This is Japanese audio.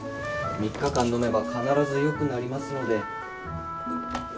３日間飲めば必ずよくなりますので。